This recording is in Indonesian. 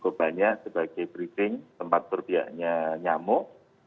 cukup banyak sebagai briefing tempat berbiaknya nyamuk